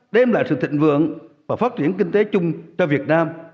đem lại sự thịnh vượng và phát triển kinh tế chung cho việt nam